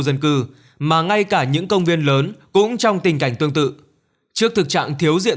dân cư mà ngay cả những công viên lớn cũng trong tình cảnh tương tự trước thực trạng thiếu diện